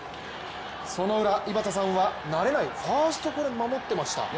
その裏、井端さんは慣れないファーストを守っていました。